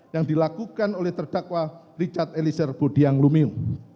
yang dilakukan oleh terdakwa richard elisir budiang lumiu